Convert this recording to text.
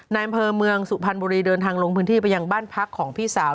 อำเภอเมืองสุพรรณบุรีเดินทางลงพื้นที่ไปยังบ้านพักของพี่สาว